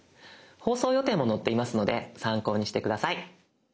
放送予定も載っていますので参考にして下さい。